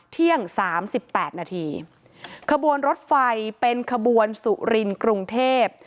เที่ยงสามสิบแปดนาทีขบวนรถไฟเป็นขบวนสุรินกรุงเทพ